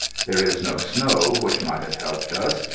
There is no snow, which might have helped us.